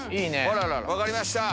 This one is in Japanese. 分かりました。